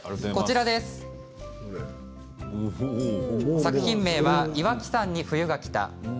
作品名は「岩木山に冬が来た」。